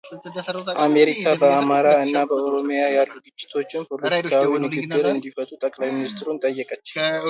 አሜሪካ በአማራ እና በኦሮሚያ ያሉ ግጭቶች በፖለቲካዊ ንግግር እንዲፈቱ ጠቅላይ ሚኒስትሩን ጠየቀች